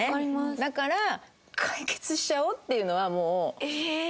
だから解決しちゃおうっていうのはもう。ええー！